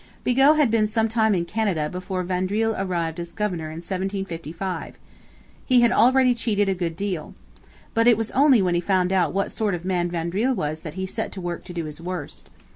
Bigot had been some time in Canada before Vaudreuil arrived as governor in 1755. He had already cheated a good deal. But it was only when he found out what sort of man Vaudreuil was that he set to work to do his worst.